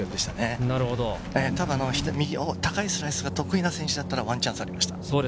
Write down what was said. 高いスライスが得意な選手だったら、ワンチャンスがありました。